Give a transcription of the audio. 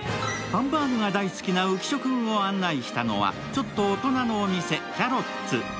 ハンバーグが大好きな浮所君を案内したのはちょっと大人のお店、キャロッツ。